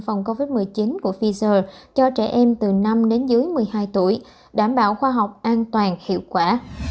phòng covid một mươi chín của pfizer cho trẻ em từ năm đến dưới một mươi hai tuổi đảm bảo khoa học an toàn hiệu quả